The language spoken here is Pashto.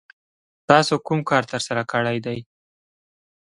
تاسو کوم کار ترسره کړی دی؟